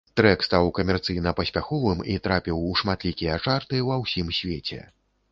Трэк стаў камерцыйна паспяховым і трапіў у шматлікія чарты ва ўсім свеце.